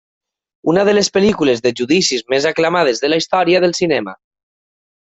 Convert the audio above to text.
Una de les pel·lícules de judicis més aclamades de la història del cinema.